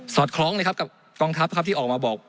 อดคล้องนะครับกับกองทัพครับที่ออกมาบอก